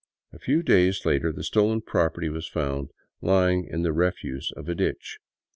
A few days later the stolen property was found lying in the refuse of a ditch.